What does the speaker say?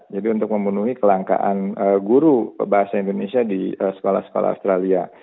jadi untuk memenuhi kelangkaan guru bahasa indonesia di sekolah sekolah australia